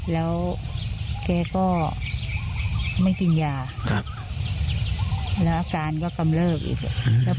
แล้วแกก็ไม่กินยาครับแล้วอาการก็กำเลิกอีกเลยอืม